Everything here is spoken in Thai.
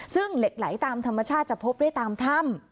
ซึ่งเหล็กไหลตามธรรมชาติจะพบได้ตามถ้ำ